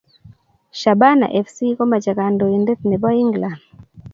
Shabana fc komache kandoindet ne bo England